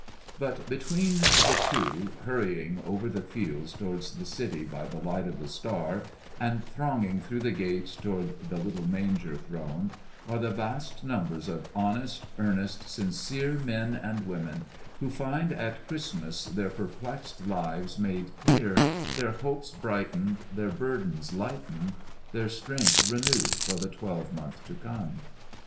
But between the two, hurrying over the fields toward the city by the light of the Star, and thronging through the gates toward the little manger throne, are the vast numbers of honest, earnest, sincere men and women who find at Christmastide their perplexed lives made clear, their hopes brightened, their burdens lightened, their strength renewed for the twelvemonth to come.